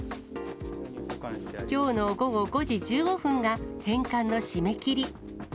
きょうの午後５時１５分が、返還の締め切り。